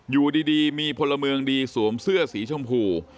อยู่ดีมีพลเมืองดีสวมเสื้อสีชมพู